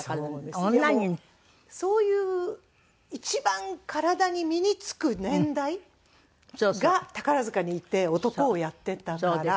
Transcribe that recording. でもそういう一番体に身に付く年代が宝塚にいて男をやってたから。